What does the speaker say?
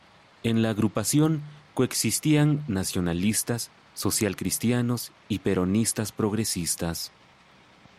En la agrupación coexistían nacionalistas, socialcristianos y peronistas progresistas.